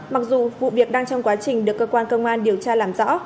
mặc dù vụ việc đang trong quá trình được cơ quan công an điều tra làm rõ